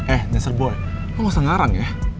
eh deser boy lo gak usah ngarang ya